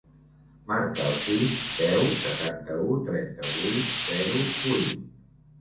Marca el sis, deu, setanta-u, trenta-vuit, zero, vuit.